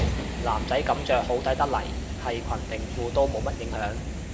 男仔噉着好睇得嚟係裙定褲都冇乜影響